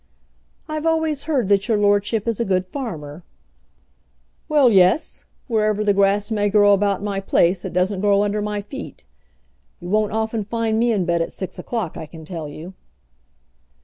"I've always heard that your lordship is a good farmer." "Well, yes; wherever the grass may grow about my place, it doesn't grow under my feet. You won't often find me in bed at six o'clock, I can tell you."